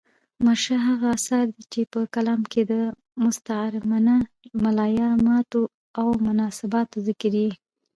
مرشحه هغه استعاره ده، چي په کلام کښي د مستعارمنه ملایمات اومناسبات ذکر يي.